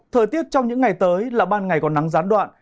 thời tiết trong những ngày tới là ban ngày còn nắng gián đoạn